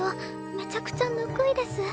めちゃくちゃぬくいです